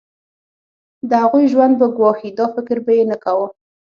د هغوی ژوند به ګواښي دا فکر به یې نه کاوه.